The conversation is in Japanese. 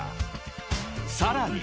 ［さらに］